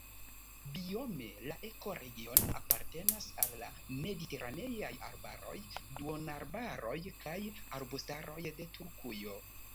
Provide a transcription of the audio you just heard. Biome la ekoregiono apartenas al la mediteraneaj arbaroj, duonarbaroj kaj arbustaroj de Turkujo.